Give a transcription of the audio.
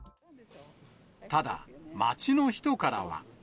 ただ、街の人からは。